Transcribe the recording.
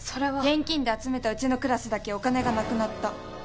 現金で集めたうちのクラスだけお金がなくなった。